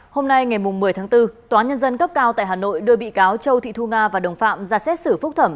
hôm nay ngày một mươi tháng bốn tòa nhân dân cấp cao tại hà nội đưa bị cáo châu thị thu nga và đồng phạm ra xét xử phúc thẩm